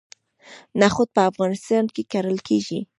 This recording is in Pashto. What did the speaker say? نخود په افغانستان کې کرل کیږي.